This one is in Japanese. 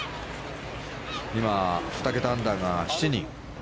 今、２桁アンダーが７人。